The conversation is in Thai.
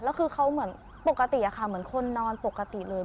แล้วคือเขาเหมือนปกติค่ะเหมือนคนนอนปกติเลย